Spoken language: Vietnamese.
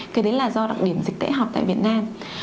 cái đấy là do đặc điểm dịch tễ họp tại việt nam